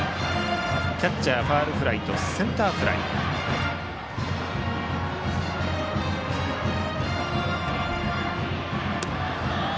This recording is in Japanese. キャッチャーファウルフライとセンターフライというここまで。